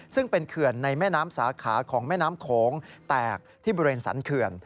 ซึ่งเป็นเขื่อนในแม่น้ำสาขาของแม่น้ำโขงแตกที่บริเวณสรรเขื่อน